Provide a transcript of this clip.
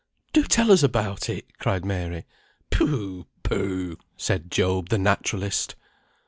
"Do tell us about it," cried Mary. "Pooh, pooh!" said Job the naturalist.